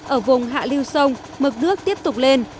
ở vùng hạ lưu sông mực nước tiếp tục lên